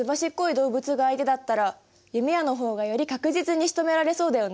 動物が相手だったら弓矢の方がより確実にしとめられそうだよね。